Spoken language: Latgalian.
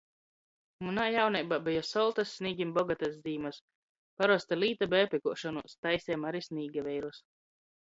Munā jauneibā beja soltys, snīgim bogotys zīmys. Parosta līta beja pykuošonuos. Taisejom ari snīgaveirus.